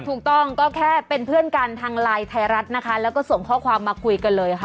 ถูกต้องก็แค่เป็นเพื่อนกันทางไลน์ไทยรัฐนะคะแล้วก็ส่งข้อความมาคุยกันเลยค่ะ